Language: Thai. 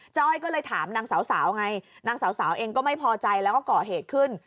้อยก็เลยถามนางสาวไงนางสาวเองก็ไม่พอใจแล้วก็ก่อเหตุขึ้น